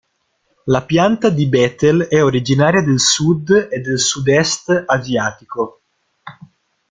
La pianta di betel è originaria del sud e del sud-est asiatico.